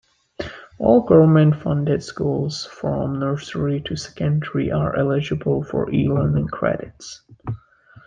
All government-funded schools from nursery to secondary are eligible for eLearning Credits.